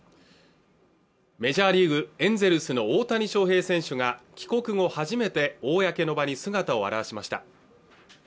メジャーリーグエンゼルスの大谷翔平選手が帰国後初めて公の場に姿を現しました